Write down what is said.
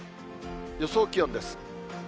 予想気温です。